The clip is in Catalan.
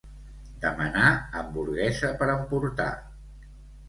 Demanar hamburguesa per emportar.